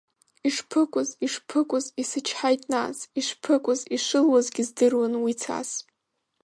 Ишԥыкәыз, ишԥыкәыз, исычҳаит нас, ишԥыкәыз, ишылуазгьы здыруан уи цас.